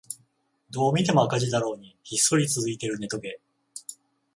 どう見ても赤字だろうにひっそり続いているネトゲ